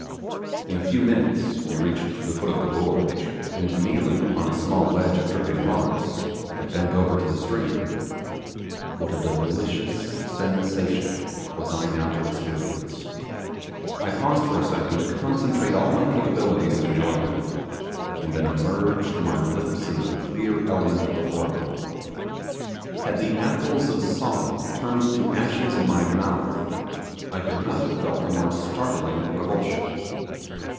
In a few minutes we reached the foot of the gorge, and kneeling upon a small ledge of dripping rocks, I bent over to the stream. What a delicious sensation was I now to experience! I paused for a second to concentrate all my capabilities of enjoyment, and then immerged my lips in the clear element before me. Had the apples of Sodom turned to ashes in my mouth, I could not have felt a more startling revulsion.